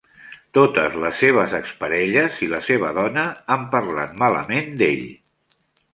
Totes les seves ex-parelles i la seva dona, han parlat malament d'ell.